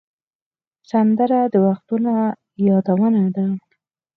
سندره د وختونو یادونه ده